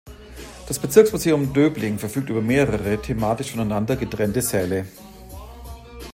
Das Bezirksmuseum Döbling verfügt über mehrere, thematisch voneinander getrennte Säle.